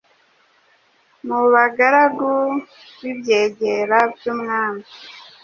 mu bagaragu b’ibyegera by’Umwami ,